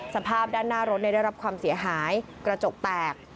สภาพด้านหน้ารถได้รับความเสียหายกระจกแตก